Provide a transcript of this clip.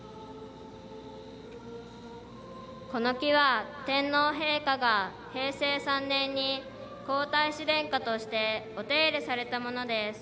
この木は天皇陛下が平成３年に皇太子殿下としてお手入れされたものです。